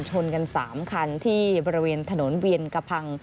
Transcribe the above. ชนกัน๓คันที่บริเวณถนนเวียนกระพัง